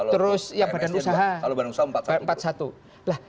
terus ya badan usaha